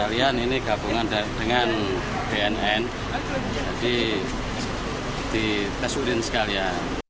sekalian ini gabungan dengan bnn jadi di tes urin sekalian